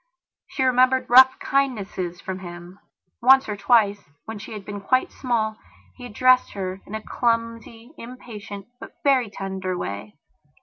She remembered rough kindnesses from him. Once or twice when she had been quite small he had dressed her in a clumsy, impatient, but very tender way.